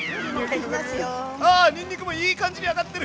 あにんにくもいい感じに揚がってる！